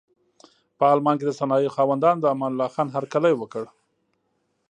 په المان کې د صنایعو خاوندانو د امان الله خان هرکلی وکړ.